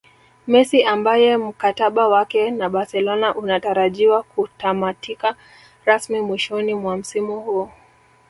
Messi ambaye mkataba wake na Barcelona unatarajiwa kutamatika rasmi mwishoni mwa msimu huu